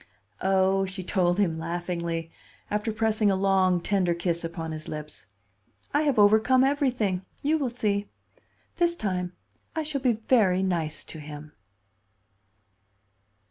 "Oh," she told him, laughingly, after pressing a long, tender kiss upon his lips, "I have overcome everything! you will see. This time I shall be very nice to him."